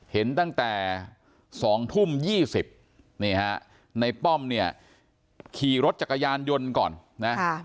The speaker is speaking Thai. เห็นตั้งแต่๒ทุ่ม๒๐นี่ฮะในป้อมเนี่ยขี่รถจักรยานยนต์ก่อนนะ